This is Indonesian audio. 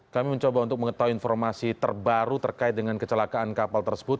kami mencoba untuk mengetahui informasi terbaru terkait dengan kecelakaan kapal tersebut